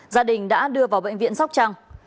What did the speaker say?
gia đình đã đưa vào bệnh viện sóc trăng